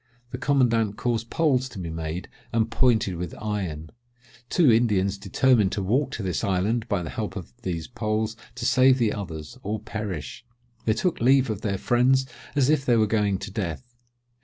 The commandant caused poles to be made and pointed with iron: two Indians determined to walk to this island by the help of these poles to save the others, or perish. They took leave of their friends as if they were going to death.